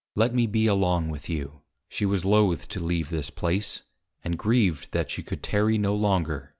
let me be along with you:_ She was loth to leave this place, and grieved that she could tarry no longer.